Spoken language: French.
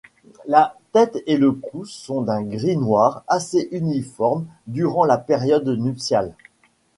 La tête et le cou sont d'un gris-noir assez uniforme durant la période nuptiale.